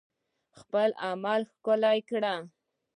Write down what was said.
خپل عمل ښکلی کړئ